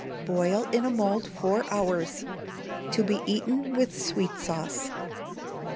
Boil in a mould four hours. To be eaten with sweet sauce. 1280.